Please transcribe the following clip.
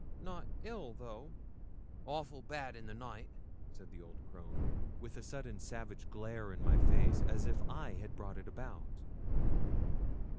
'Not ill, though?' 'Awful bad in the night,' said the old crone, with a sudden savage glare in my face, as if I had brought it about.